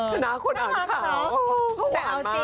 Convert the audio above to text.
ชนะคนอ่านขาว